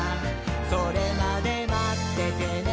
「それまでまっててねー！」